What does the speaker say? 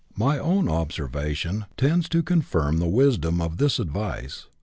My own observation tends to confirm the wisdom of this advice.